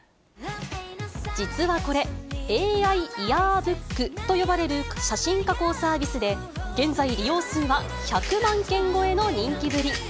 実はこれ、ＡＩイヤーブックと呼ばれる写真加工サービスで、現在、利用数は１００万件超えの人気ぶり。